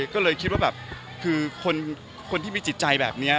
ก็เลยคิดว่าแบบคือคนที่มีจิตใจแบบนี้